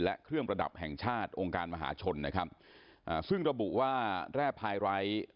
และเครื่องประดับแห่งชาติองค์การมหาชนนะครับอ่าซึ่งระบุว่าแร่พายไร้